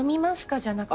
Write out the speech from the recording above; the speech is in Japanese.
じゃなくて？